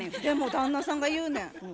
でも旦那さんが言うねん。